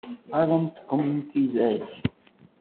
Ɣaḍent-kem tidak?